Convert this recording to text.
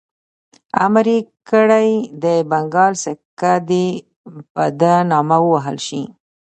امر یې کړی د بنګال سکه دي په ده نامه ووهل شي.